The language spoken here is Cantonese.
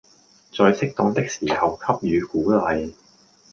在適當的時候給予鼓勵